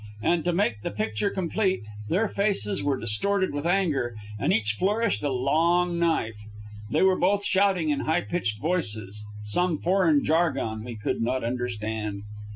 And, to make the picture complete, their faces were distorted with anger, and each flourished a long knife. They were both shouting, in high pitched voices, some foreign jargon we could not understand.